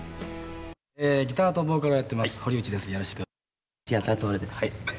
ギターとボーカルをやってい矢沢透です。